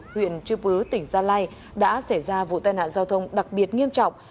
huyện chư bứ tỉnh gia lai đã xảy ra vụ tai nạn giao thông đặc biệt nghiêm trọng